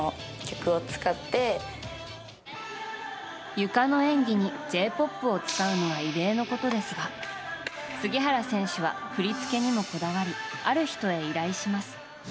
ゆかの演技にＪ‐ＰＯＰを使うのは異例のことですが杉原選手は振り付けにもこだわりある人へ依頼します。